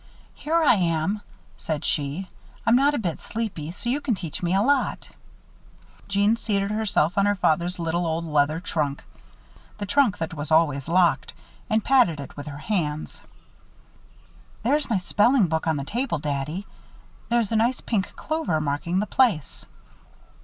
"Here I am," said she. "I'm not a bit sleepy, so you can teach me a lot." Jeanne seated herself on her father's little old leather trunk the trunk that was always locked and patted it with her hands. "There's my spelling book on the table, Daddy. There's a nice pink clover marking the place."